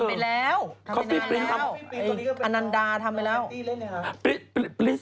ทำไปแล้วทำไปนานแล้วอันนันดาทำไปแล้วพี่ปริ้นท์ก็เอามาทำเวอร์ชันไทยแล้วนะเธอ